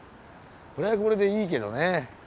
これはこれでいいけどね。